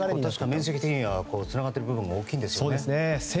面積的にはつながっている部分が大きいんですよね。